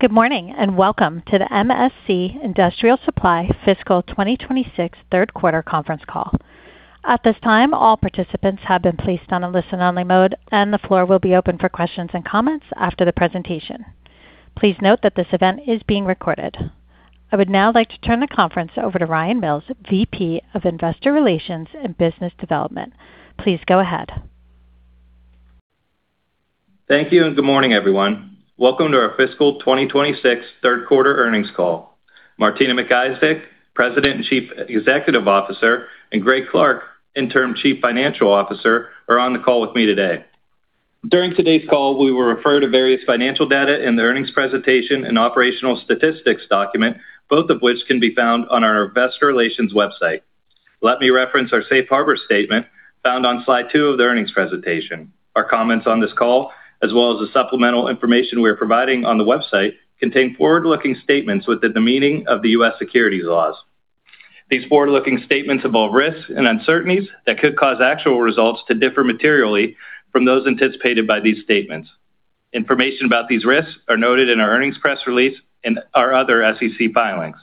Good morning, welcome to the MSC Industrial Direct fiscal 2026 third quarter conference call. At this time, all participants have been placed on a listen-only mode, the floor will be open for questions and comments after the presentation. Please note that this event is being recorded. I would now like to turn the conference over to Ryan Mills, VP of Investor Relations and Business Development. Please go ahead. Thank you, good morning, everyone. Welcome to our fiscal 2026 third quarter earnings call. Martina McIsaac, President and Chief Executive Officer, Greg Clark, Interim Chief Financial Officer, are on the call with me today. During today's call, we will refer to various financial data in the earnings presentation and operational statistics document, both of which can be found on our investor relations website. Let me reference our safe harbor statement found on slide two of the earnings presentation. Our comments on this call, as well as the supplemental information we are providing on the website, contain forward-looking statements within the meaning of the U.S. securities laws. These forward-looking statements involve risks and uncertainties that could cause actual results to differ materially from those anticipated by these statements. Information about these risks are noted in our earnings press release and our other SEC filings.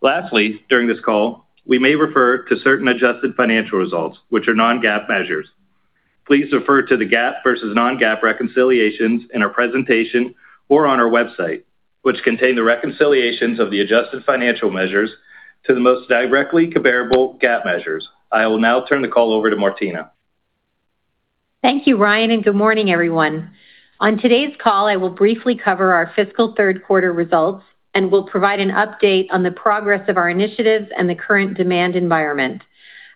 Lastly, during this call, we may refer to certain adjusted financial results, which are non-GAAP measures. Please refer to the GAAP versus non-GAAP reconciliations in our presentation or on our website, which contain the reconciliations of the adjusted financial measures to the most directly comparable GAAP measures. I will now turn the call over to Martina. Thank you, Ryan, good morning, everyone. On today's call, I will briefly cover our fiscal third quarter results will provide an update on the progress of our initiatives and the current demand environment.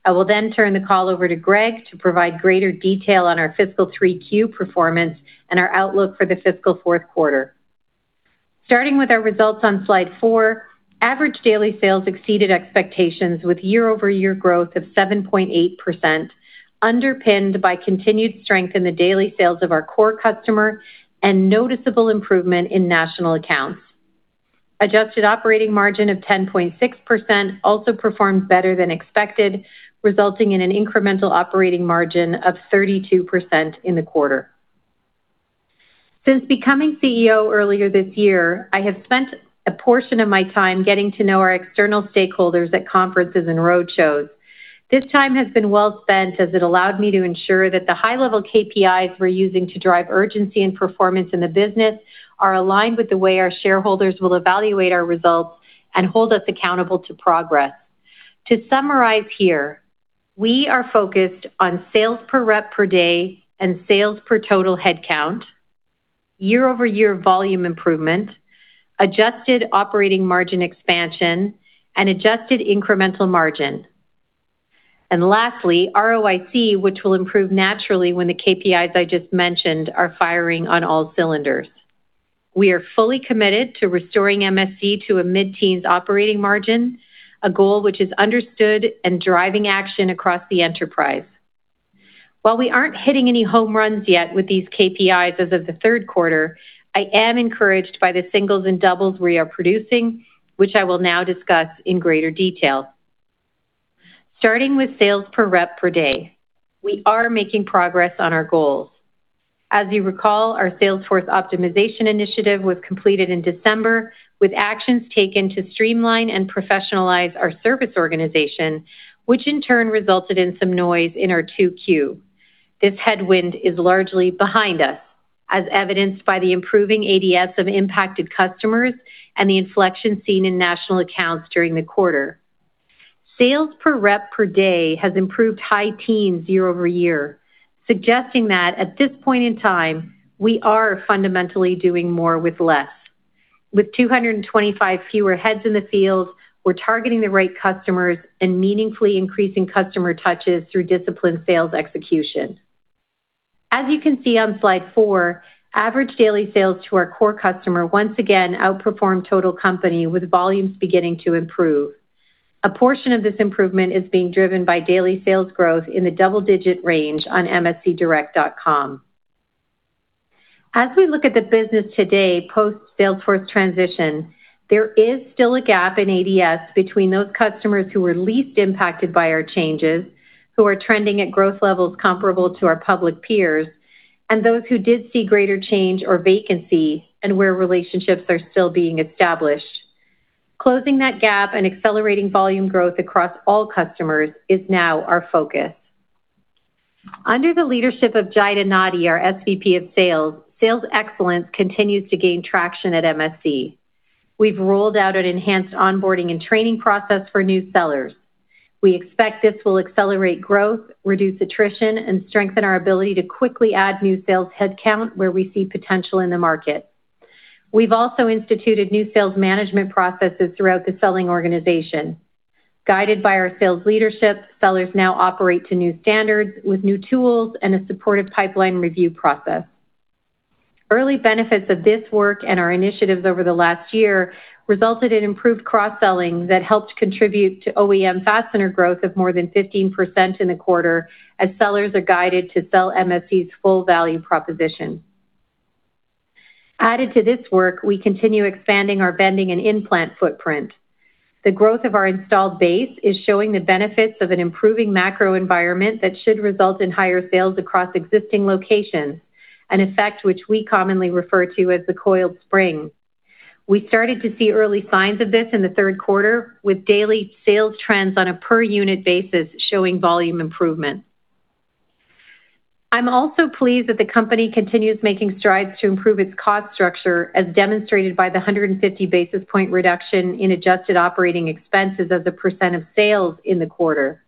I will turn the call over to Greg to provide greater detail on our fiscal 3Q performance and our outlook for the fiscal fourth quarter. Starting with our results on slide four, average daily sales exceeded expectations with year-over-year growth of 7.8%, underpinned by continued strength in the daily sales of our core customer and noticeable improvement in national accounts. Adjusted operating margin of 10.6% also performed better than expected, resulting in an incremental operating margin of 32% in the quarter. Since becoming CEO earlier this year, I have spent a portion of my time getting to know our external stakeholders at conferences and roadshows. This time has been well spent, as it allowed me to ensure that the high-level KPIs we're using to drive urgency and performance in the business are aligned with the way our shareholders will evaluate our results and hold us accountable to progress. To summarize here, we are focused on sales per rep per day and sales per total headcount, year-over-year volume improvement, adjusted operating margin expansion, and adjusted incremental margin. And lastly, ROIC, which will improve naturally when the KPIs I just mentioned are firing on all cylinders. We are fully committed to restoring MSC to a mid-teens operating margin, a goal which is understood and driving action across the enterprise. While we aren't hitting any home runs yet with these KPIs as of the third quarter, I am encouraged by the singles and doubles we are producing, which I will now discuss in greater detail. Starting with sales per rep per day, we are making progress on our goals. As you recall, our sales force optimization initiative was completed in December, with actions taken to streamline and professionalize our service organization, which in turn resulted in some noise in our 2Q. This headwind is largely behind us, as evidenced by the improving ADS of impacted customers and the inflection seen in national accounts during the quarter. Sales per rep per day has improved high teens year-over-year, suggesting that at this point in time, we are fundamentally doing more with less. With 225 fewer heads in the field, we're targeting the right customers and meaningfully increasing customer touches through disciplined sales execution. As you can see on slide four, average daily sales to our core customer once again outperformed total company, with volumes beginning to improve. A portion of this improvement is being driven by daily sales growth in the double-digit range on mscdirect.com. As we look at the business today post-sales force transition, there is still a gap in ADS between those customers who were least impacted by our changes, who are trending at growth levels comparable to our public peers, and those who did see greater change or vacancy and where relationships are still being established. Closing that gap and accelerating volume growth across all customers is now our focus. Under the leadership of Jahida Nadi, our SVP of Sales, sales excellence continues to gain traction at MSC. We've rolled out an enhanced onboarding and training process for new sellers. We expect this will accelerate growth, reduce attrition, and strengthen our ability to quickly add new sales headcount where we see potential in the market. We've also instituted new sales management processes throughout the selling organization. Guided by our sales leadership, sellers now operate to new standards with new tools and a supportive pipeline review process. Early benefits of this work and our initiatives over the last year resulted in improved cross-selling that helped contribute to OEM fastener growth of more than 15% in the quarter as sellers are guided to sell MSC's full value proposition. Added to this work, we continue expanding our vending and implant footprint. The growth of our installed base is showing the benefits of an improving macro environment that should result in higher sales across existing locations, an effect which we commonly refer to as the coiled spring. We started to see early signs of this in the third quarter with daily sales trends on a per-unit basis showing volume improvement. I'm also pleased that the company continues making strides to improve its cost structure, as demonstrated by the 150 basis points reduction in adjusted operating expenses as a percent of sales in the quarter.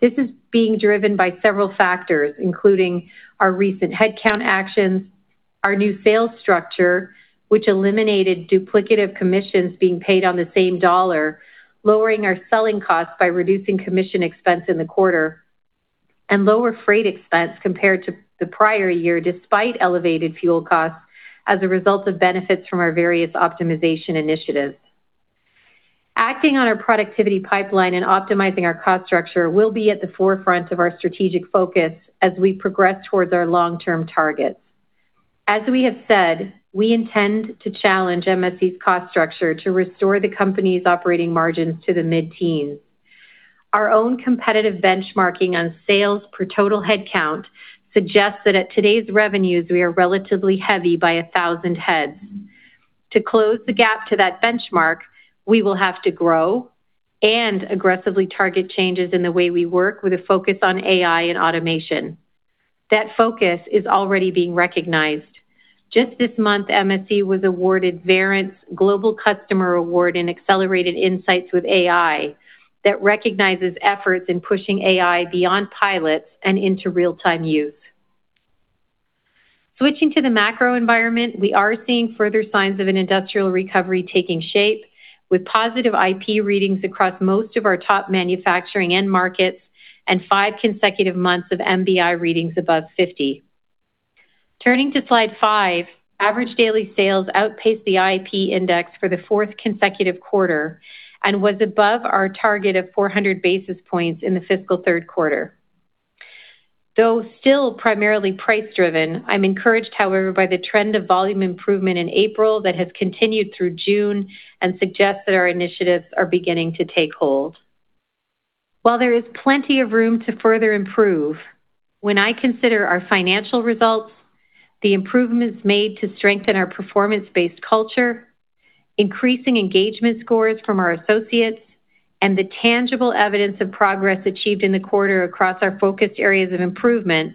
This is being driven by several factors, including our recent headcount actions, our new sales structure, which eliminated duplicative commissions being paid on the same dollar, lowering our selling costs by reducing commission expense in the quarter, and lower freight expense compared to the prior year despite elevated fuel costs as a result of benefits from our various optimization initiatives. Acting on our productivity pipeline and optimizing our cost structure will be at the forefront of our strategic focus as we progress towards our long-term targets. As we have said, we intend to challenge MSC's cost structure to restore the company's operating margins to the mid-teens. Our own competitive benchmarking on sales per total headcount suggests that at today's revenues, we are relatively heavy by 1,000 heads. To close the gap to that benchmark, we will have to grow and aggressively target changes in the way we work with a focus on AI and automation. That focus is already being recognized. Just this month, MSC was awarded Verint Global Customer Award in accelerated insights with AI that recognizes efforts in pushing AI beyond pilots and into real-time use. Switching to the macro environment, we are seeing further signs of an industrial recovery taking shape with positive IP readings across most of our top manufacturing end markets and five consecutive months of MBI readings above 50. Turning to Slide five, average daily sales outpaced the IP index for the fourth consecutive quarter and was above our target of 400 basis points in the fiscal third quarter. Though still primarily price-driven, I'm encouraged, however, by the trend of volume improvement in April that has continued through June and suggests that our initiatives are beginning to take hold. While there is plenty of room to further improve, when I consider our financial results, the improvements made to strengthen our performance-based culture, increasing engagement scores from our associates, and the tangible evidence of progress achieved in the quarter across our focused areas of improvement,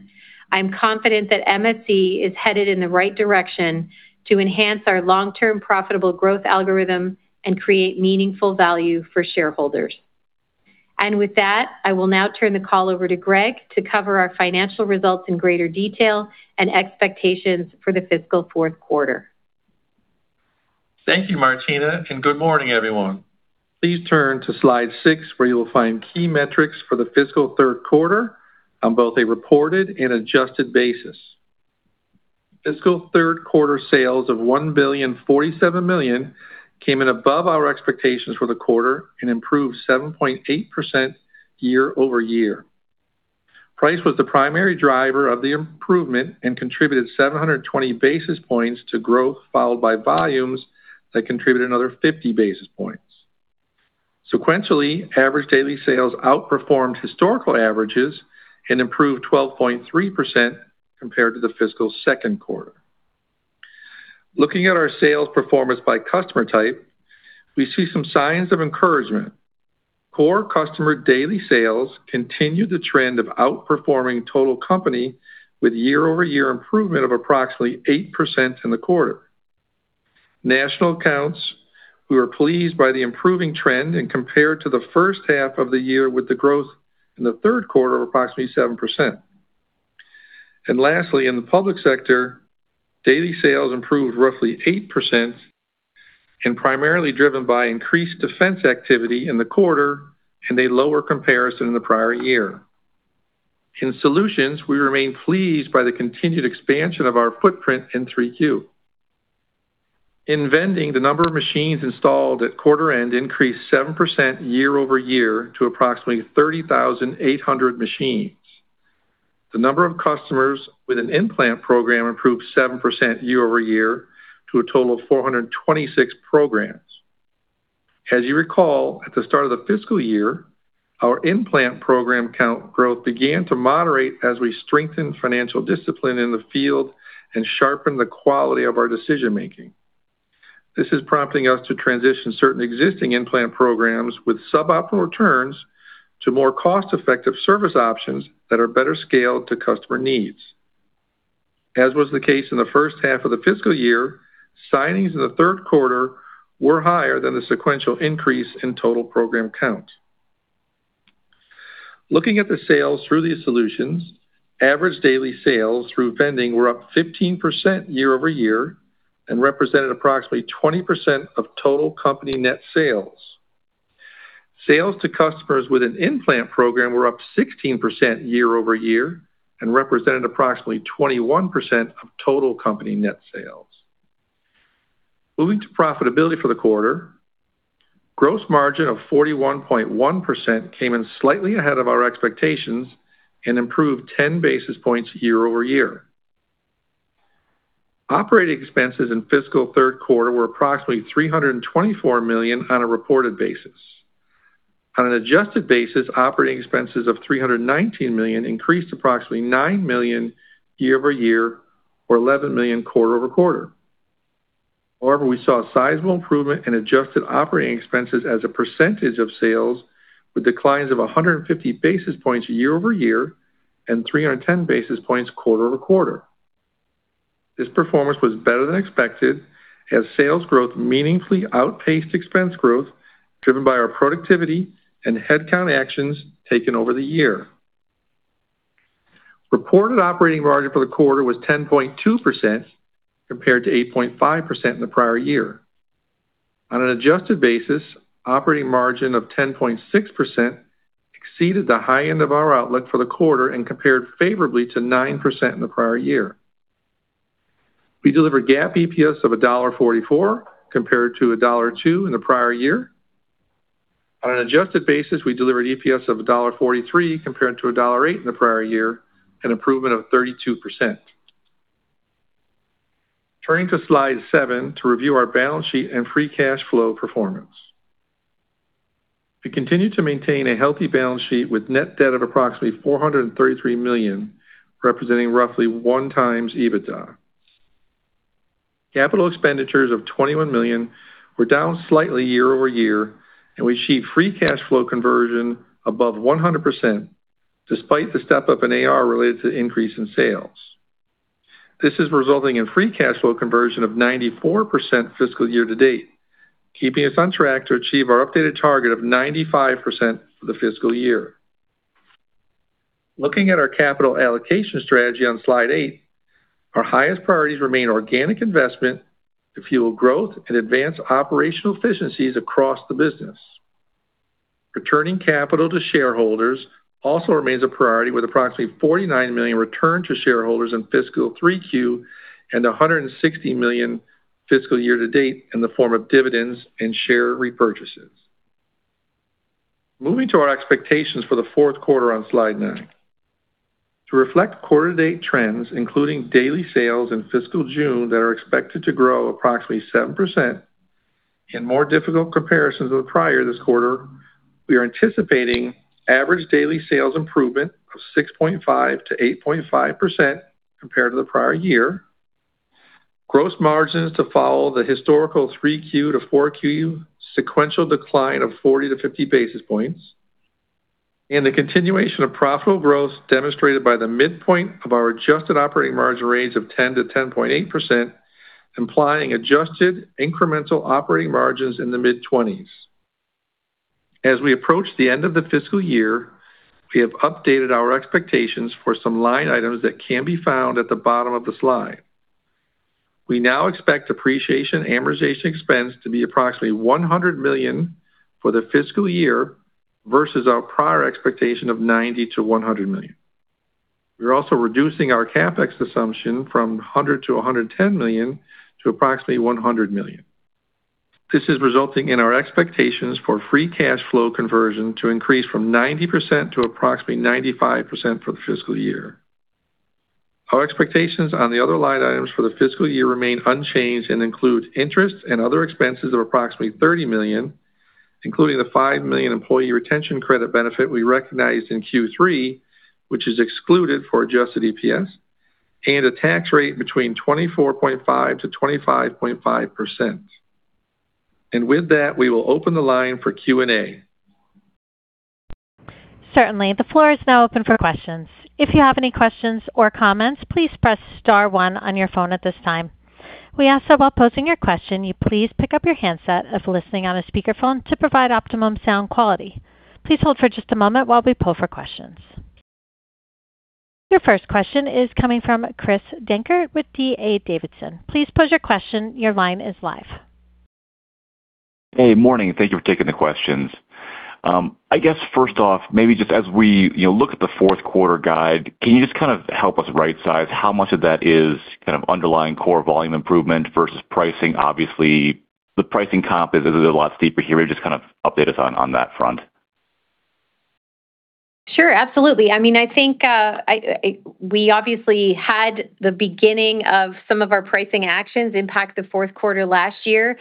I'm confident that MSC is headed in the right direction to enhance our long-term profitable growth algorithm and create meaningful value for shareholders. With that, I will now turn the call over to Greg to cover our financial results in greater detail and expectations for the fiscal fourth quarter. Thank you, Martina, and good morning, everyone. Please turn to Slide six, where you will find key metrics for the fiscal third quarter on both a reported and adjusted basis. Fiscal third quarter sales of $1.047 billion came in above our expectations for the quarter and improved 7.8% year-over-year. Price was the primary driver of the improvement and contributed 720 basis points to growth, followed by volumes that contributed another 50 basis points. Sequentially, average daily sales outperformed historical averages and improved 12.3% compared to the fiscal second quarter. Looking at our sales performance by customer type, we see some signs of encouragement. Core customer daily sales continued the trend of outperforming total company with year-over-year improvement of approximately 8% in the quarter. National accounts, we were pleased by the improving trend compared to the first half of the year with the growth in the third quarter of approximately 7%. Lastly, in the public sector, daily sales improved roughly 8% and primarily driven by increased defense activity in the quarter and a lower comparison in the prior year. In solutions, we remain pleased by the continued expansion of our footprint in 3Q. In vending, the number of machines installed at quarter end increased 7% year-over-year to approximately 30,800 machines. The number of customers with an implant program improved 7% year-over-year to a total of 426 programs. As you recall, at the start of the fiscal year, our implant program count growth began to moderate as we strengthened financial discipline in the field and sharpened the quality of our decision-making. This is prompting us to transition certain existing implant programs with suboptimal returns to more cost-effective service options that are better scaled to customer needs. As was the case in the first half of the fiscal year, signings in the third quarter were higher than the sequential increase in total program count. Looking at the sales through these solutions, average daily sales through vending were up 15% year-over-year and represented approximately 20% of total company net sales. Sales to customers with an implant program were up 16% year-over-year and represented approximately 21% of total company net sales. Moving to profitability for the quarter, gross margin of 41.1% came in slightly ahead of our expectations and improved 10 basis points year-over-year. Operating expenses in fiscal third quarter were approximately $324 million on a reported basis. On an adjusted basis, operating expenses of $319 million increased approximately $9 million year-over-year or $11 million quarter-over-quarter. However, we saw a sizable improvement in adjusted operating expenses as a percentage of sales, with declines of 150 basis points year-over-year and 310 basis points quarter-over-quarter. This performance was better than expected as sales growth meaningfully outpaced expense growth, driven by our productivity and headcount actions taken over the year. Reported operating margin for the quarter was 10.2%, compared to 8.5% in the prior year. On an adjusted basis, operating margin of 10.6% exceeded the high end of our outlook for the quarter and compared favorably to 9% in the prior year. We delivered GAAP EPS of $1.44 compared to $1.02 in the prior year. On an adjusted basis, we delivered EPS of $1.43 compared to $1.08 in the prior year, an improvement of 32%. Turning to Slide seven to review our balance sheet and free cash flow performance. We continue to maintain a healthy balance sheet with net debt of approximately $433 million, representing roughly one times EBITDA. Capital expenditures of $21 million were down slightly year-over-year, and we achieved free cash flow conversion above 100%, despite the step-up in AR related to increase in sales. This is resulting in free cash flow conversion of 94% fiscal year-to-date, keeping us on track to achieve our updated target of 95% for the fiscal year. Looking at our capital allocation strategy on Slide eight, our highest priorities remain organic investment to fuel growth and advance operational efficiencies across the business. Returning capital to shareholders also remains a priority, with approximately $49 million returned to shareholders in fiscal 3Q and $160 million fiscal year-to-date in the form of dividends and share repurchases. Moving to our expectations for the fourth quarter on Slide nine. To reflect quarter-to-date trends, including daily sales in fiscal June that are expected to grow approximately 7% and more difficult comparisons with prior this quarter, we are anticipating average daily sales improvement of 6.5%-8.5% compared to the prior year, gross margins to follow the historical 3Q to 4Q sequential decline of 40-50 basis points, and the continuation of profitable growth demonstrated by the midpoint of our adjusted operating margin range of 10%-10.8%, implying adjusted incremental operating margins in the mid-20s. As we approach the end of the fiscal year, we have updated our expectations for some line items that can be found at the bottom of the slide. We now expect Depreciation and Amortization expense to be approximately $100 million for the fiscal year versus our prior expectation of $90 million-$100 million. We are also reducing our CapEx assumption from $100 million-$110 million to approximately $100 million. This is resulting in our expectations for free cash flow conversion to increase from 90% to 95% for the fiscal year. Our expectations on the other line items for the fiscal year remain unchanged and include interest and other expenses of approximately $30 million, including the $5 million Employee Retention Credit benefit we recognized in Q3, which is excluded for adjusted EPS, and a tax rate between 24.5%-25.5%. With that, we will open the line for Q&A. Certainly, the floor is now open for questions. If you have any questions or comments, please press star one on your phone at this time. We ask that while posing your question, you please pick up your handset if listening on a speakerphone to provide optimum sound quality. Please hold for just a moment while we poll for questions. Your first question is coming from Chris Dankert with D.A. Davidson. Please pose your question. Your line is live. Hey. Morning. Thank you for taking the questions. I guess first off, maybe just as we look at the fourth quarter guide, can you just help us right size how much of that is underlying core volume improvement versus pricing? Obviously, the pricing comp is a lot steeper here. Maybe just update us on that front. Sure, absolutely. I think we obviously had the beginning of some of our pricing actions impact the fourth quarter last year.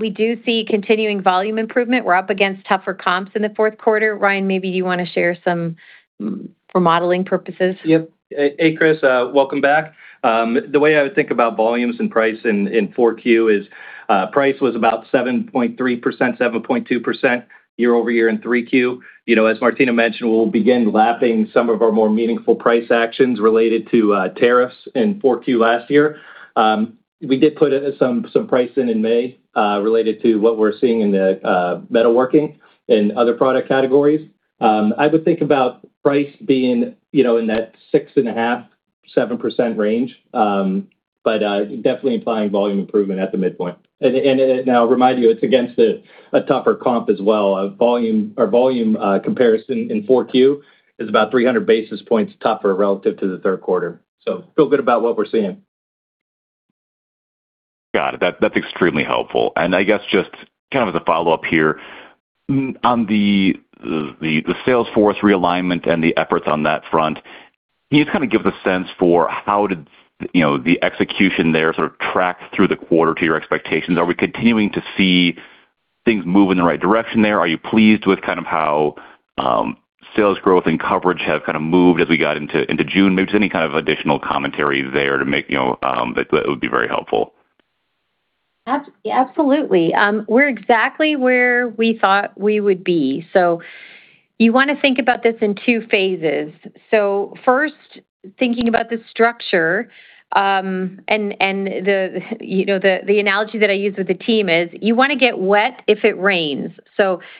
We do see continuing volume improvement. We're up against tougher comps in the fourth quarter. Ryan, maybe you want to share some for modeling purposes. Yep. Hey, Chris. Welcome back. The way I would think about volumes and price in 4Q is price was about 7.3%, 7.2% year-over-year in 3Q. As Martina mentioned, we will begin lapping some of our more meaningful price actions related to tariffs in 4Q last year. We did put some price in in May related to what we're seeing in the metalworking and other product categories. I would think about price being in that 6.5%-7% range, definitely implying volume improvement at the midpoint. Now remind you, it's against a tougher comp as well. Our volume comparison in 4Q is about 300 basis points tougher relative to the third quarter. Feel good about what we're seeing. Got it. That's extremely helpful. I guess just kind of as a follow-up here, on the Salesforce realignment and the efforts on that front, can you just give the sense for how did the execution there sort of track through the quarter to your expectations? Are we continuing to see things move in the right direction there? Are you pleased with how sales growth and coverage have moved as we got into June? Maybe just any kind of additional commentary there to make, that would be very helpful. Absolutely. We're exactly where we thought we would be. You want to think about this in two phases. First, thinking about the structure, the analogy that I use with the team is you want to get wet if it rains.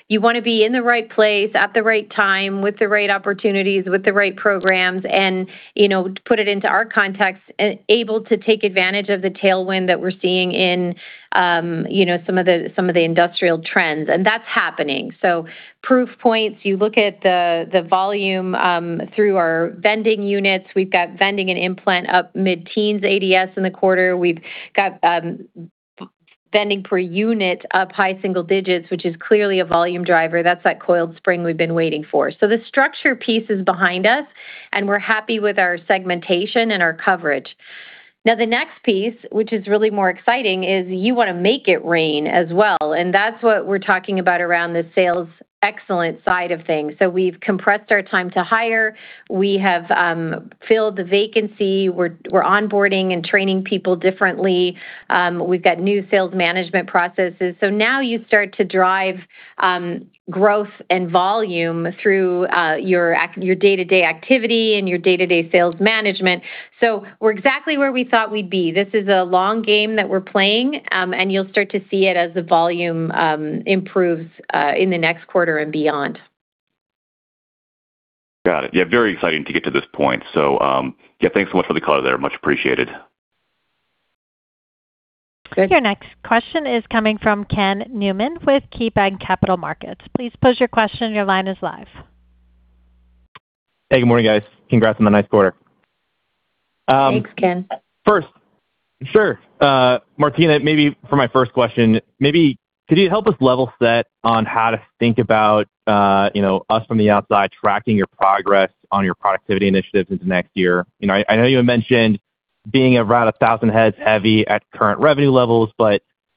You want to be in the right place at the right time with the right opportunities, with the right programs, and to put it into our context, able to take advantage of the tailwind that we're seeing in some of the industrial trends. That's happening. Proof points, you look at the volume through our vending units. We've got vending and implant up mid-teens ADS in the quarter. We've got vending per unit up high single digits, which is clearly a volume driver. That's that coiled spring we've been waiting for. The structure piece is behind us, and we're happy with our segmentation and our coverage. Now, the next piece, which is really more exciting, is you want to make it rain as well. That's what we're talking about around the sales excellence side of things. We've compressed our time to hire. We have filled the vacancy. We're onboarding and training people differently. We've got new sales management processes. Now you start to drive growth and volume through your day-to-day activity and your day-to-day sales management. We're exactly where we thought we'd be. This is a long game that we're playing, and you'll start to see it as the volume improves in the next quarter and beyond. Got it. Yeah, very exciting to get to this point. Yeah, thanks so much for the color there. Much appreciated. Okay. Your next question is coming from Ken Newman with KeyBanc Capital Markets. Please pose your question. Your line is live. Hey, good morning, guys. Congrats on the nice quarter. Thanks, Ken. First, sure. Martina, for my first question, maybe could you help us level set on how to think about us from the outside tracking your progress on your productivity initiatives into next year? I know you had mentioned being around 1,000 heads heavy at current revenue levels,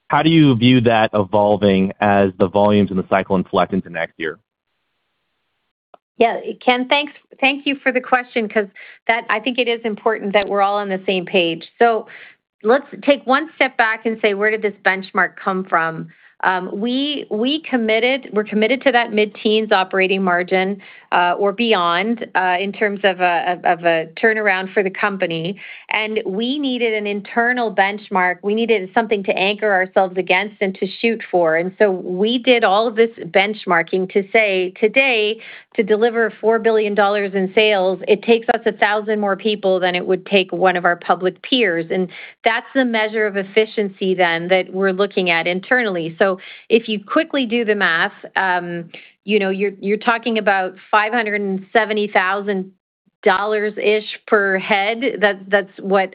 how do you view that evolving as the volumes in the cycle inflect into next year? Yeah. Ken, thank you for the question, because I think it is important that we're all on the same page. Let's take one step back and say, where did this benchmark come from? We're committed to that mid-teens operating margin, or beyond, in terms of a turnaround for the company. We needed an internal benchmark. We needed something to anchor ourselves against and to shoot for. We did all of this benchmarking to say, today, to deliver $4 billion in sales, it takes us 1,000 more people than it would take one of our public peers. That's the measure of efficiency then that we're looking at internally. If you quickly do the math, you're talking about $570,000-ish per head. That's what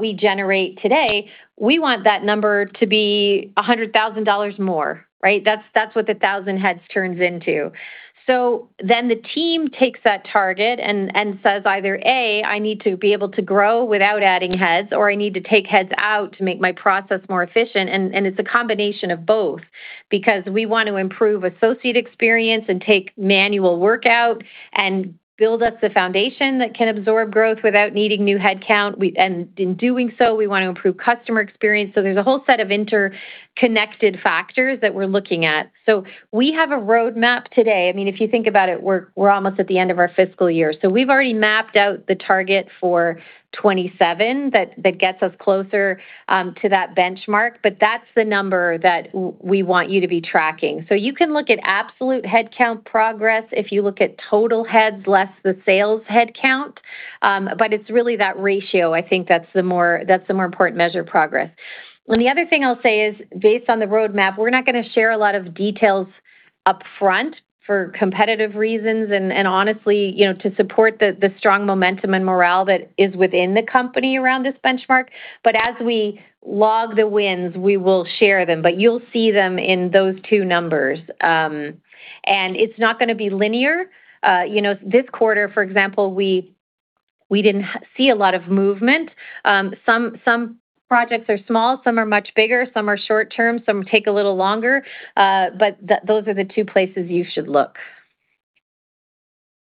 we generate today. We want that number to be $100,000 more, right? That's what the 1,000 heads turns into. The team takes that target and says either, A, I need to be able to grow without adding heads, or I need to take heads out to make my process more efficient. It's a combination of both, because we want to improve associate experience and take manual work out and build us a foundation that can absorb growth without needing new headcount. In doing so, we want to improve customer experience. There's a whole set of interconnected factors that we're looking at. We have a roadmap today. If you think about it, we're almost at the end of our fiscal year. We've already mapped out the target for 2027 that gets us closer to that benchmark. That's the number that we want you to be tracking. You can look at absolute headcount progress if you look at total heads less the sales headcount. It's really that ratio, I think that's the more important measure of progress. The other thing I'll say is, based on the roadmap, we're not going to share a lot of details upfront for competitive reasons and honestly, to support the strong momentum and morale that is within the company around this benchmark. As we log the wins, we will share them, but you'll see them in those two numbers. It's not going to be linear. This quarter, for example, we didn't see a lot of movement. Some projects are small, some are much bigger, some are short-term, some take a little longer. Those are the two places you should look.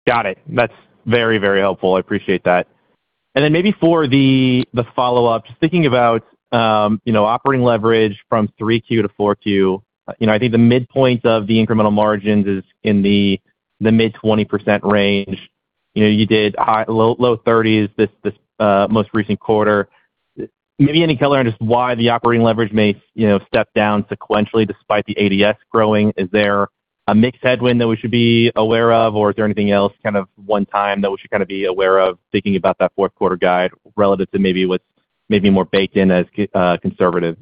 Got it. That's very helpful. I appreciate that. Maybe for the follow-up, just thinking about operating leverage from 3Q to 4Q, I think the midpoint of the incremental margins is in the mid 20% range. You did low 30s this most recent quarter. Maybe any color on just why the operating leverage may step down sequentially despite the ADS growing? Is there a mixed headwind that we should be aware of, or is there anything else kind of one-time that we should kind of be aware of thinking about that fourth quarter guide relative to maybe what's maybe more baked in as conservatism?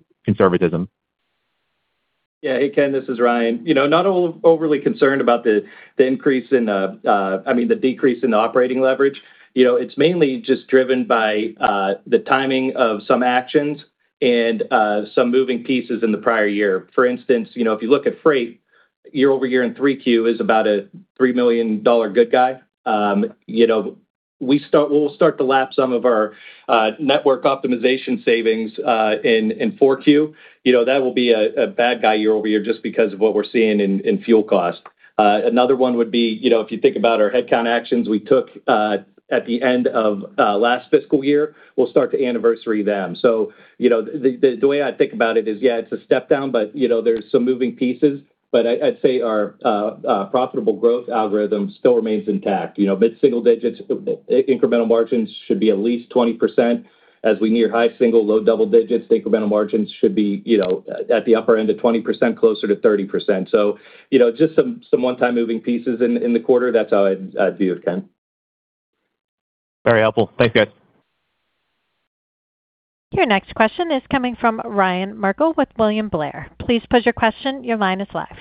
Yeah. Hey, Ken, this is Ryan. Not overly concerned about the decrease in the operating leverage. It's mainly just driven by the timing of some actions and some moving pieces in the prior year. For instance, if you look at freight, year-over-year in 3Q is about a $3 million good guy. We'll start to lap some of our network optimization savings in 4Q. That will be a bad guy year-over-year just because of what we're seeing in fuel cost. Another one would be, if you think about our headcount actions we took at the end of last fiscal year, we'll start to anniversary them. The way I think about it is, yeah, it's a step down, but there's some moving pieces. I'd say our profitable growth algorithm still remains intact. Mid-single digits, incremental margins should be at least 20%. As we near high single, low double digits, incremental margins should be at the upper end of 20%, closer to 30%. Just some one-time moving pieces in the quarter. That's how I'd view it, Ken. Very helpful. Thanks, guys. Your next question is coming from Ryan Merkel with William Blair. Please pose your question. Your line is live.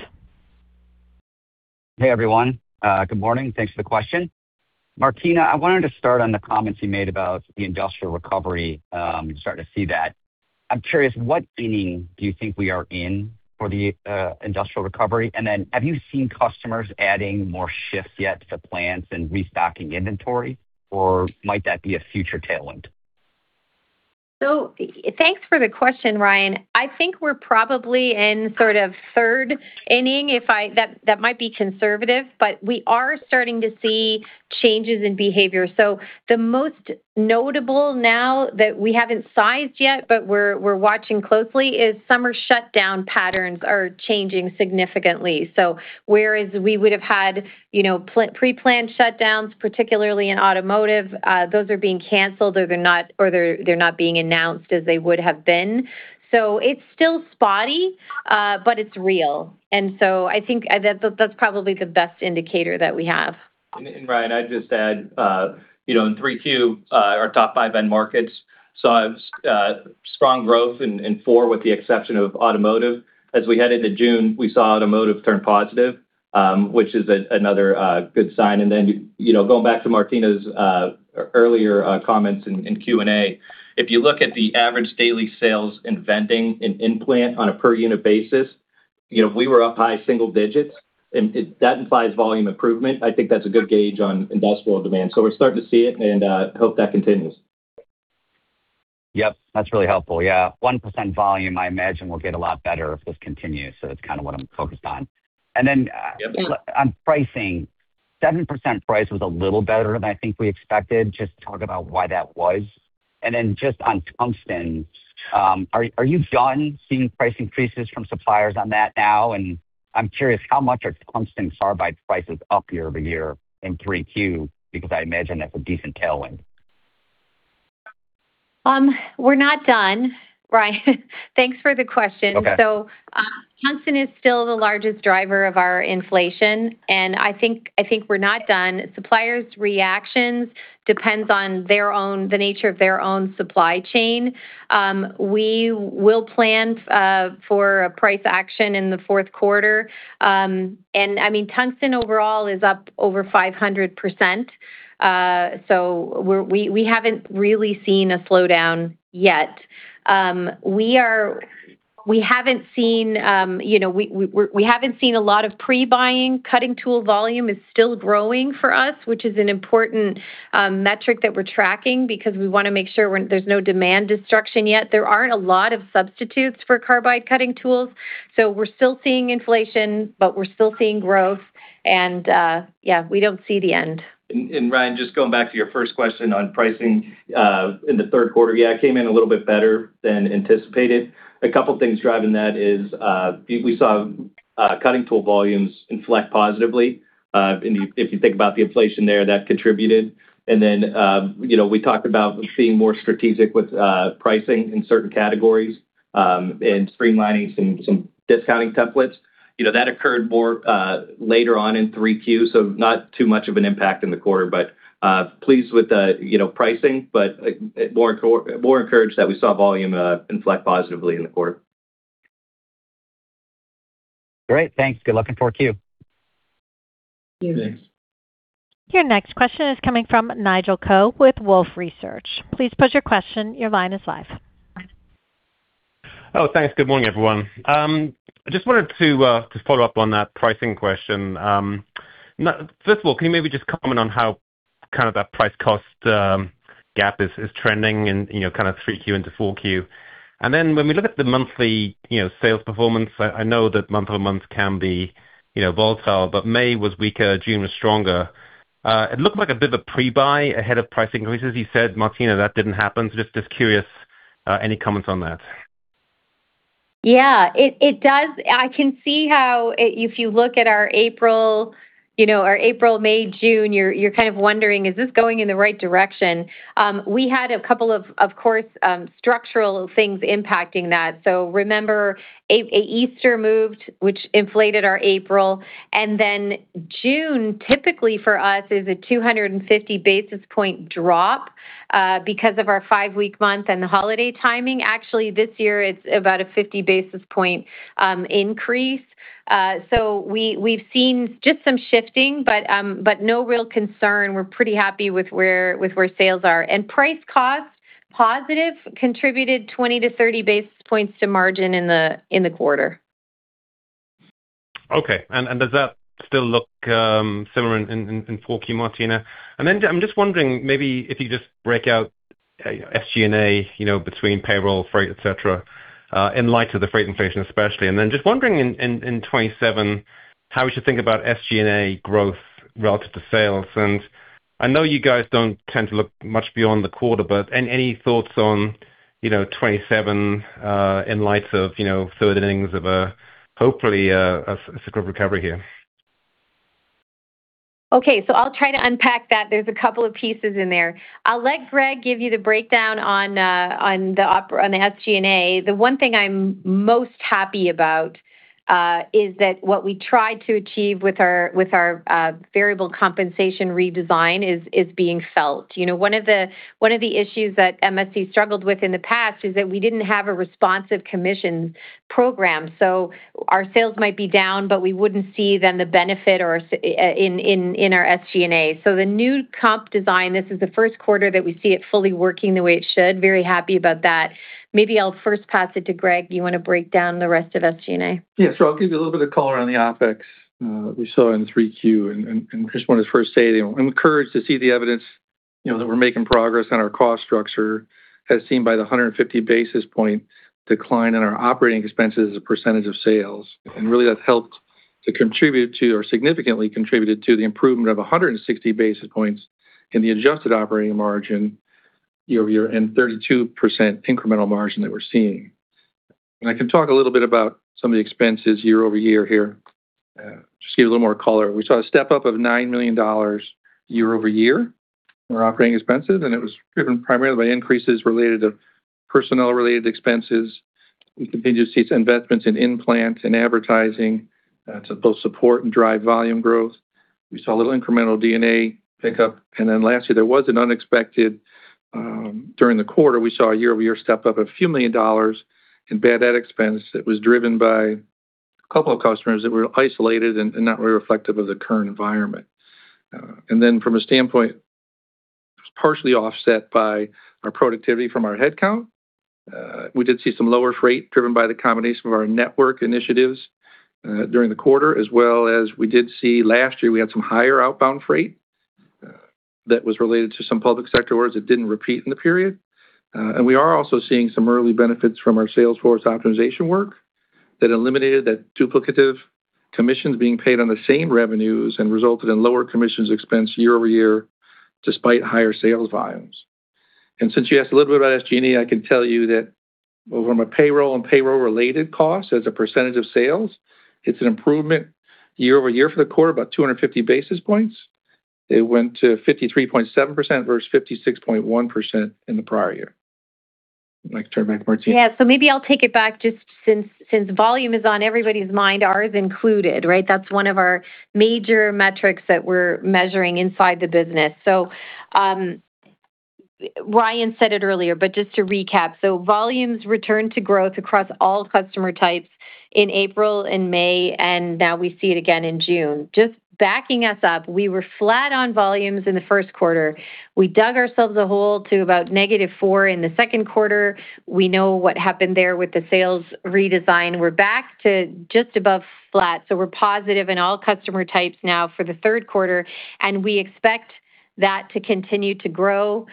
Hey, everyone. Good morning. Thanks for the question. Martina, I wanted to start on the comments you made about the industrial recovery. You're starting to see that. I'm curious, what inning do you think we are in for the industrial recovery? Have you seen customers adding more shifts yet to plants and restocking inventory, or might that be a future tailwind? Thanks for the question, Ryan. I think we're probably in sort of third inning. That might be conservative, but we are starting to see changes in behavior. The most notable now that we haven't sized yet, but we're watching closely, is summer shutdown patterns are changing significantly. Whereas we would've had pre-planned shutdowns, particularly in automotive, those are being canceled or they're not being announced as they would have been. It's still spotty, but it's real. I think that's probably the best indicator that we have. Ryan, I'd just add, in 3Q, our top five end markets saw strong growth in four, with the exception of automotive. As we headed to June, we saw automotive turn positive, which is another good sign. Going back to Martina's earlier comments in Q&A, if you look at the average daily sales in vending, in plant on a per unit basis we were up high single digits, and that implies volume improvement. I think that's a good gauge on industrial demand. We're starting to see it, and hope that continues. Yep, that's really helpful. 1% volume I imagine will get a lot better if this continues. That's kind of what I'm focused on. Yep. On pricing, 7% price was a little better than I think we expected. Just talk about why that was. Just on tungsten, are you done seeing price increases from suppliers on that now? I'm curious, how much are tungsten carbide prices up year-over-year in 3Q? Because I imagine that's a decent tailwind. We're not done, Ryan. Thanks for the question. Okay. Tungsten is still the largest driver of our inflation, and I think we're not done. Suppliers' reactions depends on the nature of their own supply chain. We will plan for a price action in the fourth quarter. Tungsten overall is up over 500%, so we haven't really seen a slowdown yet. We haven't seen a lot of pre-buying. Cutting tool volume is still growing for us, which is an important metric that we're tracking because we want to make sure there's no demand destruction yet. There aren't a lot of substitutes for carbide cutting tools, so we're still seeing inflation, but we're still seeing growth. Yeah, we don't see the end. Ryan, just going back to your first question on pricing, in the third quarter, yeah, it came in a little bit better than anticipated. A couple things driving that is we saw cutting tool volumes inflect positively. If you think about the inflation there, that contributed. We talked about being more strategic with pricing in certain categories, and streamlining some discounting templates. That occurred more later on in 3Q, so not too much of an impact in the quarter. Pleased with the pricing, but more encouraged that we saw volume inflect positively in the quarter. Great. Thanks. Good luck in 4Q. Thanks. Thanks. Your next question is coming from Nigel Coe with Wolfe Research. Please pose your question. Your line is live. Oh, thanks. Good morning, everyone. I just wanted to follow up on that pricing question. First of all, can you maybe just comment on how that price cost gap is trending in 3Q into 4Q? When we look at the monthly sales performance, I know that month-over-month can be volatile, but May was weaker, June was stronger. It looked like a bit of a pre-buy ahead of price increases. You said, Martina, that didn't happen, so just curious, any comments on that? Yeah. I can see how if you look at our April, May, June, you're kind of wondering, is this going in the right direction? We had a couple of structural things impacting that. Remember, Easter moved, which inflated our April, and June typically for us is a 250 basis point drop because of our five-week month and the holiday timing. Actually, this year it's about a 50 basis point increase. We've seen just some shifting, but no real concern. We're pretty happy with where sales are. Price cost, positive, contributed 20-30 basis points to margin in the quarter. Okay. Does that still look similar in 4Q, Martina? I'm just wondering maybe if you just break out SG&A between payroll, freight, et cetera, in light of the freight inflation, especially. Just wondering in 2027 how we should think about SG&A growth relative to sales. I know you guys don't tend to look much beyond the quarter, but any thoughts on 2027 in light of third innings of a, hopefully, a good recovery here? Okay. I'll try to unpack that. There's a couple of pieces in there. I'll let Greg give you the breakdown on the SG&A. The one thing I'm most happy about is that what we tried to achieve with our variable compensation redesign is being felt. One of the issues that MSC struggled with in the past is that we didn't have a responsive commission program. Our sales might be down, but we wouldn't see then the benefit in our SG&A. The new comp design, this is the first quarter that we see it fully working the way it should. Very happy about that. Maybe I'll first pass it to Greg. You want to break down the rest of SG&A? I'll give you a little bit of color on the OpEx we saw in 3Q. Chris wanted to first say, I'm encouraged to see the evidence that we're making progress on our cost structure as seen by the 150 basis point decline in our operating expenses as a percentage of sales. Really, that's helped to contribute to or significantly contributed to the improvement of 160 basis points in the adjusted operating margin year-over-year and 32% incremental margin that we're seeing. I can talk a little bit about some of the expenses year-over-year here. Just give you a little more color. We saw a step-up of $9 million year-over-year in our operating expenses, and it was driven primarily by increases related to personnel-related expenses. We continue to see investments in implants and advertising to both support and drive volume growth. We saw a little incremental D&A pickup. Lastly, there was an unexpected during the quarter, we saw a year-over-year step-up of a few million dollars in bad debt expense that was driven by a couple of customers that were isolated and not really reflective of the current environment. From a standpoint, it was partially offset by our productivity from our headcount. We did see some lower freight driven by the combination of our network initiatives during the quarter, as well as we did see last year, we had some higher outbound freight that was related to some public sector orders that didn't repeat in the period. We are also seeing some early benefits from our sales force optimization work that eliminated that duplicative commissions being paid on the same revenues and resulted in lower commissions expense year-over-year despite higher sales volumes. Since you asked a little bit about SG&A, I can tell you that from a payroll and payroll-related cost as a percentage of sales, it's an improvement year-over-year for the quarter, about 250 basis points. It went to 53.7% versus 56.1% in the prior year. I'd like to turn it back to Martina. Yeah. Maybe I'll take it back just since volume is on everybody's mind, ours included, right? That's one of our major metrics that we're measuring inside the business. Ryan said it earlier, but just to recap, volumes returned to growth across all customer types in April and May, and now we see it again in June. Just backing us up, we were flat on volumes in the first quarter. We dug ourselves a hole to about -4 in the second quarter. We know what happened there with the sales redesign. We're back to just above flat. We're positive in all customer types now for the third quarter, and we expect that to continue to grow.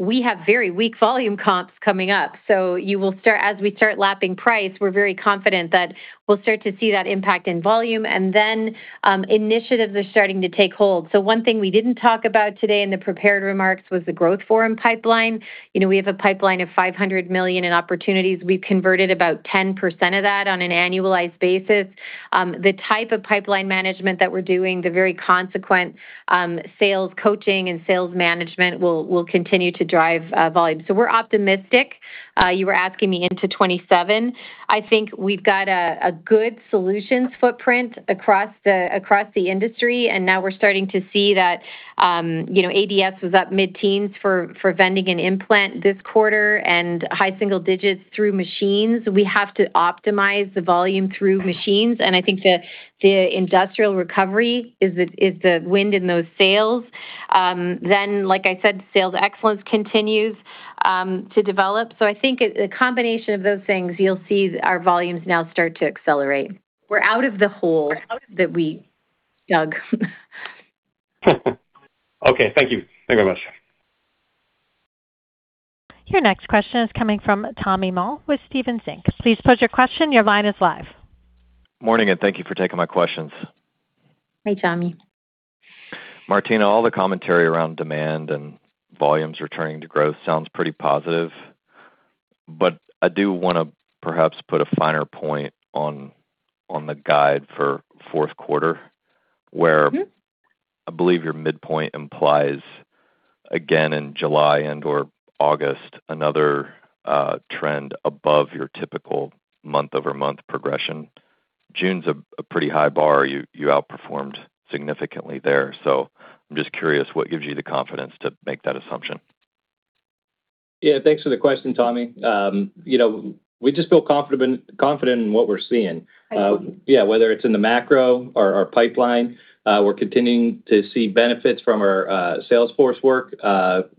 We have very weak volume comps coming up. As we start lapping price, we're very confident that we'll start to see that impact in volume. Initiatives are starting to take hold. One thing we didn't talk about today in the prepared remarks was the growth forum pipeline. We have a pipeline of $500 million in opportunities. We've converted about 10% of that on an annualized basis. The type of pipeline management that we're doing, the very consequent sales coaching and sales management will continue to drive volume. We're optimistic. You were asking me into 2027. I think we've got a good solutions footprint across the industry, and now we're starting to see that ADS was up mid-teens for vending and implant this quarter and high single digits through machines. We have to optimize the volume through machines, and I think the industrial recovery is the wind in those sails. Like I said, sales excellence continues to develop. I think a combination of those things, you'll see our volumes now start to accelerate. We're out of the hole that we dug. Okay. Thank you. Thank you very much. Your next question is coming from Tommy Moll with Stephens Inc. Please pose your question. Your line is live. Morning, thank you for taking my questions. Hey, Tommy. Martina, all the commentary around demand and volumes returning to growth sounds pretty positive, I do want to perhaps put a finer point on the guide for fourth quarter where I believe your midpoint implies, again in July and/or August, another trend above your typical month-over-month progression. June's a pretty high bar. You outperformed significantly there. I'm just curious, what gives you the confidence to make that assumption? Yeah. Thanks for the question, Tommy. We just feel confident in what we're seeing. I see. Yeah. Whether it's in the macro or our pipeline, we're continuing to see benefits from our sales force work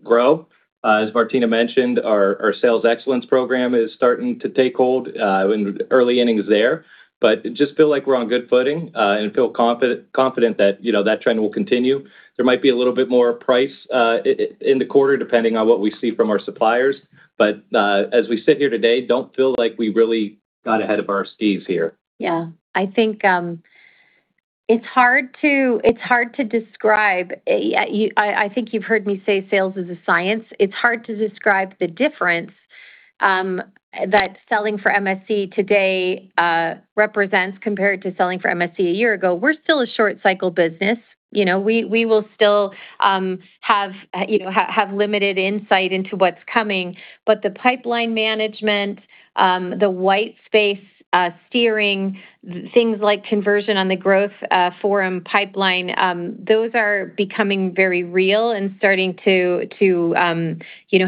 grow. As Martina mentioned, our Sales Excellence Program is starting to take hold in early innings there. Just feel like we're on good footing, and feel confident that trend will continue. There might be a little bit more price in the quarter, depending on what we see from our suppliers. As we sit here today, don't feel like we really got ahead of our skis here. Yeah. I think it's hard to describe, I think you've heard me say sales is a science. It's hard to describe the difference that selling for MSC today represents compared to selling for MSC a year ago. We're still a short cycle business. We will still have limited insight into what's coming, but the pipeline management, the white space steering, things like conversion on the growth forum pipeline, those are becoming very real and starting to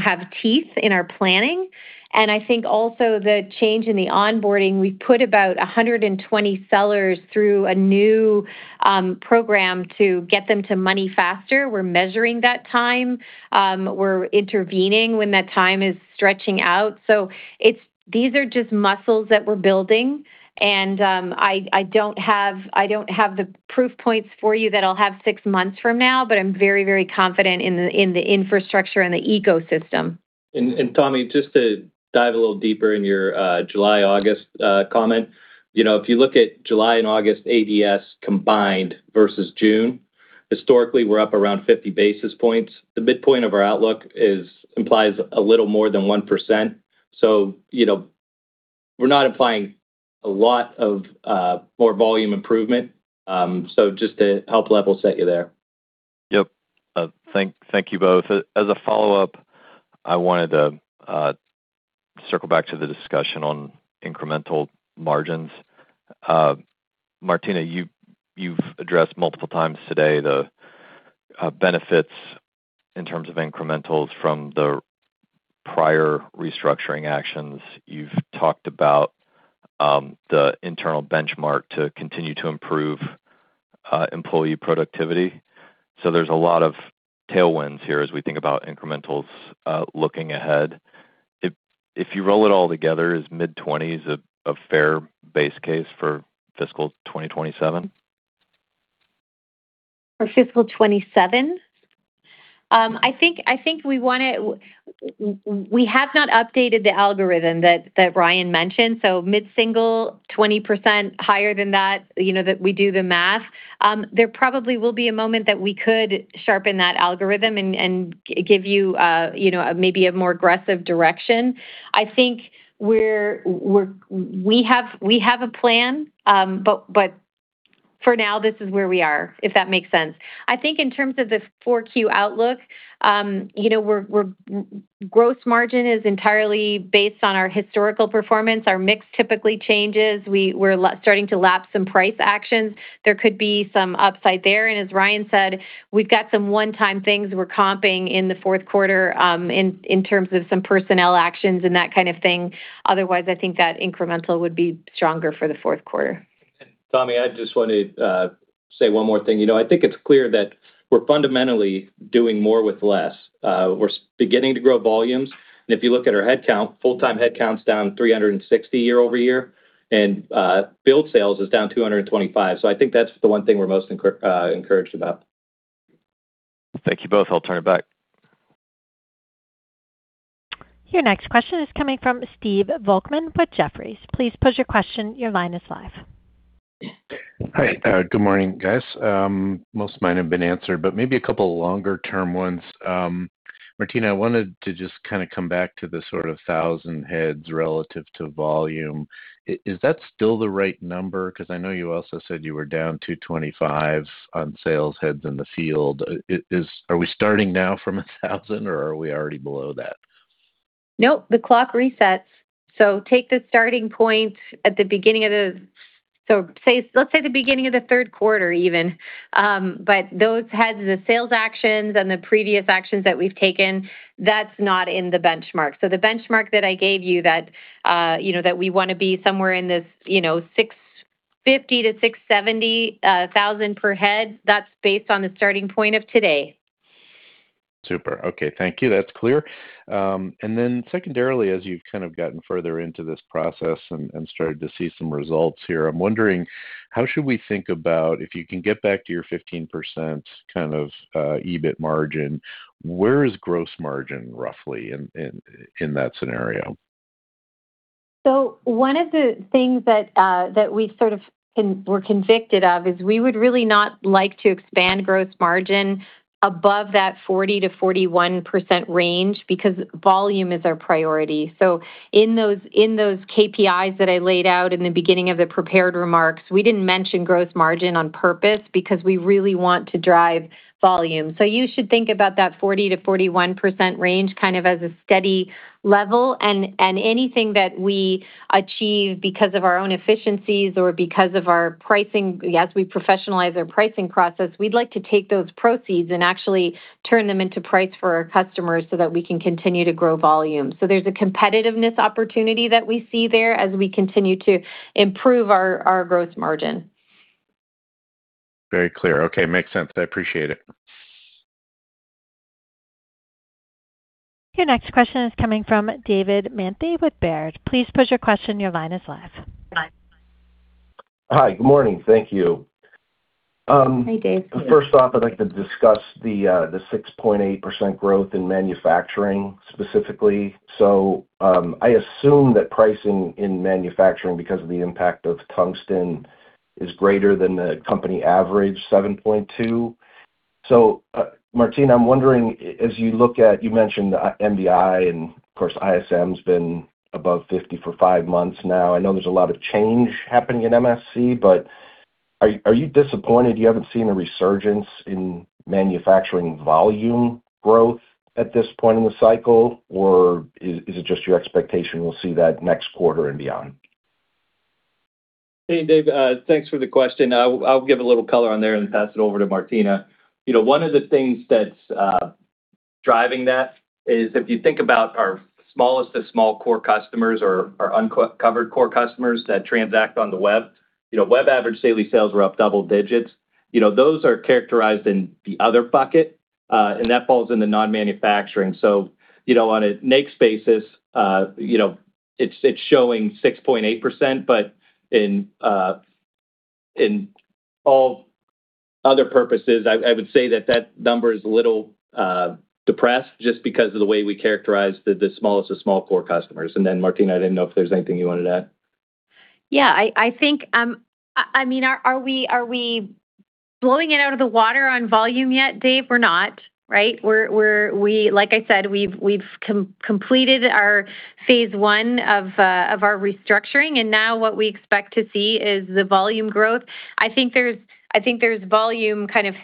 have teeth in our planning. I think also the change in the onboarding, we put about 120 sellers through a new program to get them to money faster. We're measuring that time. We're intervening when that time is stretching out. These are just muscles that we're building. I don't have the proof points for you that I'll have six months from now, but I'm very confident in the infrastructure and the ecosystem. Tommy, just to dive a little deeper in your July, August comment. If you look at July and August ADS combined versus June, historically, we're up around 50 basis points. The midpoint of our outlook implies a little more than 1%. We're not implying a lot of more volume improvement. Just to help level set you there. Yep. Thank you both. As a follow-up, I wanted to circle back to the discussion on incremental margins. Martina, you've addressed multiple times today the benefits in terms of incrementals from the prior restructuring actions. You've talked about the internal benchmark to continue to improve employee productivity. There's a lot of tailwinds here as we think about incrementals looking ahead. If you roll it all together, is mid-20s a fair base case for fiscal 2027? For fiscal 2027? I think we have not updated the algorithm that Ryan mentioned, mid-single, 20% higher than that we do the math. There probably will be a moment that we could sharpen that algorithm and give you maybe a more aggressive direction. I think we have a plan, for now, this is where we are, if that makes sense. I think in terms of the 4Q outlook, gross margin is entirely based on our historical performance. Our mix typically changes. We're starting to lap some price actions. There could be some upside there, and as Ryan said, we've got some one-time things we're comping in the fourth quarter in terms of some personnel actions and that kind of thing. I think that incremental would be stronger for the fourth quarter. Tommy, I just want to say one more thing. I think it's clear that we're fundamentally doing more with less. We're beginning to grow volumes, if you look at our headcount, full-time headcount's down 360 year-over-year, field sales is down 225. I think that's the one thing we're most encouraged about. Thank you both. I'll turn it back. Your next question is coming from Steve Volkmann with Jefferies. Please pose your question. Your line is live. Hi. Good morning, guys. Most of mine have been answered, maybe a couple longer term ones. Martina, I wanted to just come back to the sort of 1,000 heads relative to volume. Is that still the right number? I know you also said you were down 225 on sales heads in the field. Are we starting now from 1,000 or are we already below that? Nope, the clock resets. Take the starting point at the beginning of the, let's say the beginning of the third quarter even. Those heads, the sales actions and the previous actions that we've taken, that's not in the benchmark. The benchmark that I gave you that we want to be somewhere in this 650,000-670,000 per head, that's based on the starting point of today. Super. Okay. Thank you. That's clear. Secondarily, as you've kind of gotten further into this process and started to see some results here, I'm wondering how should we think about if you can get back to your 15% kind of EBIT margin, where is gross margin roughly in that scenario? One of the things that we sort of were convicted of is we would really not like to expand gross margin above that 40%-41% range because volume is our priority. In those KPIs that I laid out in the beginning of the prepared remarks, we didn't mention gross margin on purpose because we really want to drive volume. You should think about that 40%-41% range kind of as a steady level and anything that we achieve because of our own efficiencies or because of our pricing as we professionalize our pricing process, we'd like to take those proceeds and actually turn them into price for our customers so that we can continue to grow volume. There's a competitiveness opportunity that we see there as we continue to improve our gross margin. Very clear. Okay, makes sense. I appreciate it. Your next question is coming from David Manthey with Baird. Please pose your question. Your line is live. Hi. Good morning. Thank you. Hi, Dave. First off, I'd like to discuss the 6.8% growth in manufacturing specifically. I assume that pricing in manufacturing because of the impact of tungsten is greater than the company average, 7.2%. Martina, I'm wondering as you look at, you mentioned MBI and of course ISM's been above 50 for five months now. I know there's a lot of change happening at MSC, but are you disappointed you haven't seen a resurgence in manufacturing volume growth at this point in the cycle? Is it just your expectation we'll see that next quarter and beyond? Hey, Dave. Thanks for the question. I'll give a little color on there and pass it over to Martina. One of the things that's driving that is if you think about our smallest of small core customers or our uncovered core customers that transact on the web average daily sales are up double digits. Those are characterized in the other bucket, and that falls in the non-manufacturing. On a NAICS basis, it's showing 6.8%, but in all other purposes, I would say that that number is a little depressed just because of the way we characterize the smallest of small core customers. Martina, I didn't know if there's anything you wanted to add. Yeah. Are we blowing it out of the water on volume yet, Dave? We're not. Like I said, we've completed our phase I of our restructuring, and now what we expect to see is the volume growth. I think there's volume kind of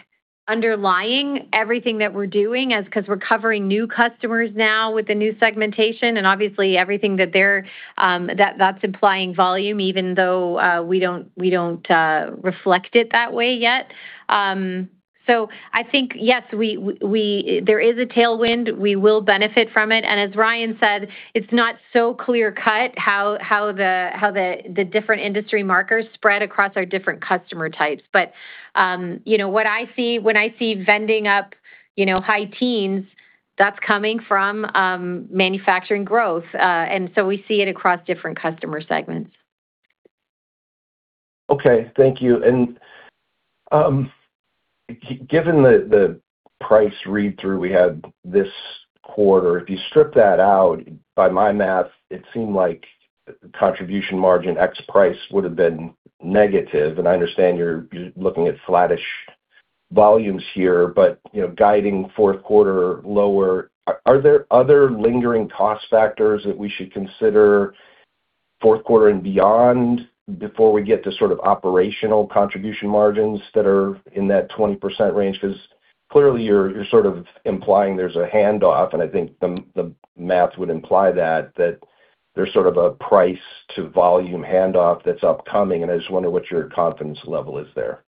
underlying everything that we're doing because we're covering new customers now with the new segmentation, and obviously everything that's implying volume, even though we don't reflect it that way yet. I think yes, there is a tailwind. We will benefit from it. As Ryan said, it's not so clear cut how the different industry markers spread across our different customer types. When I see vending up high teens, that's coming from manufacturing growth. We see it across different customer segments. Okay. Thank you. Given the price read-through we had this quarter, if you strip that out, by my math, it seemed like the contribution margin ex price would've been negative, and I understand you're looking at flattish volumes here, but guiding fourth quarter lower. Are there other lingering cost factors that we should consider fourth quarter and beyond before we get to sort of operational contribution margins that are in that 20% range? Clearly you're sort of implying there's a handoff, I think the math would imply that there's sort of a price to volume handoff that's upcoming, and I just wonder what your confidence level is there.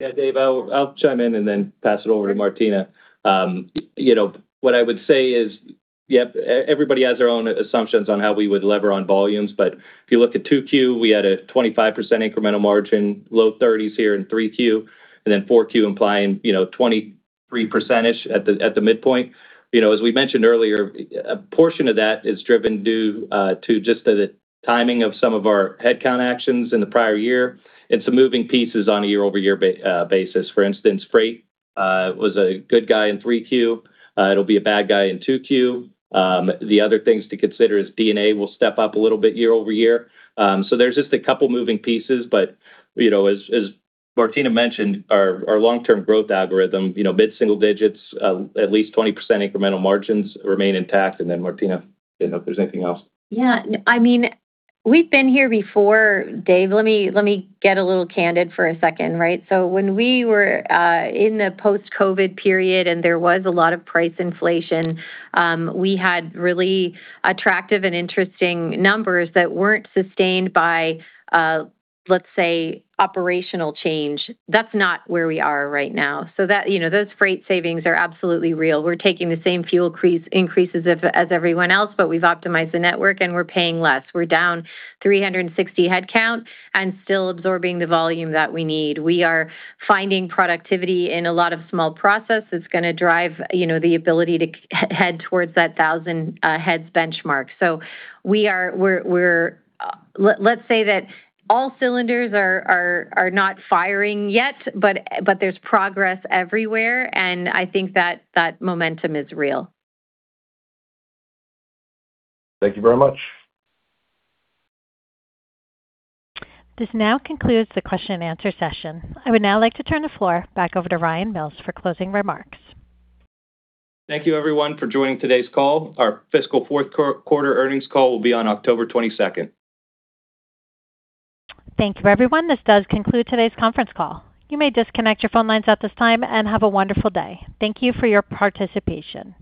Yeah, Dave. I'll chime in and then pass it over to Martina. What I would say is, everybody has their own assumptions on how we would lever on volumes. If you look at 2Q, we had a 25% incremental margin, low 30s here in 3Q, 4Q implying 23% at the midpoint. As we mentioned earlier, a portion of that is driven due to just the timing of some of our headcount actions in the prior year and some moving pieces on a year-over-year basis. For instance, freight was a good guy in 3Q. It'll be a bad guy in 2Q. The other things to consider is D&A will step up a little bit year-over-year. There's just a couple moving pieces, as Martina mentioned, our long-term growth algorithm, mid-single digits, at least 20% incremental margins remain intact. Martina, I didn't know if there's anything else. Yeah. We've been here before, Dave. Let me get a little candid for a second. When we were in the post-COVID period and there was a lot of price inflation, we had really attractive and interesting numbers that weren't sustained by, let's say, operational change. That's not where we are right now. Those freight savings are absolutely real. We're taking the same fuel increases as everyone else, but we've optimized the network and we're paying less. We're down 360 headcount and still absorbing the volume that we need. We are finding productivity in a lot of small process that's going to drive the ability to head towards that 1,000 heads benchmark. Let's say that all cylinders are not firing yet, but there's progress everywhere, and I think that momentum is real. Thank you very much. This now concludes the question-and-answer session. I would now like to turn the floor back over to Ryan Mills for closing remarks. Thank you everyone for joining today's call. Our fiscal fourth quarter earnings call will be on October 22nd. Thank you everyone. This does conclude today's conference call. You may disconnect your phone lines at this time and have a wonderful day. Thank you for your participation.